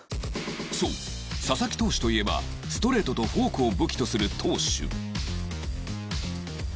そう佐々木投手といえばストレートとフォークを武器とする投手